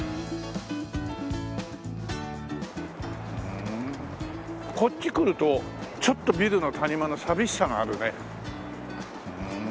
ふんこっち来るとちょっとビルの谷間の寂しさがあるね。